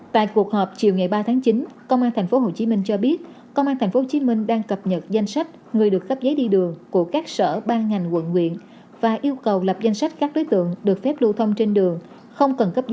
tại cuộc họp chiều ngày ba tháng chín công an tp hcm cho biết công an tp hcm đang cập nhật danh sách người được phép giấy đi đường của các sở ban ngành quận nguyện và yêu cầu lập danh sách các đối tượng được phép ra đường